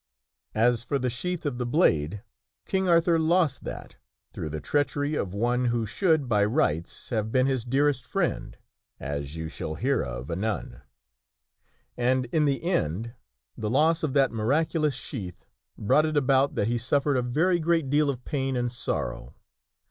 As for the sheath of the blade, King Arthur lost that through the /6 THE WINNING OF A SWORD treachery of one who should, by rights, have been his dearest friend (as you shall hear of anon), and in the end the loss of that miraculous sheath brought it about that he suffered a very great deal of pain and sorrow.